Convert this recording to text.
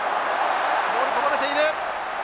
ボールこぼれている。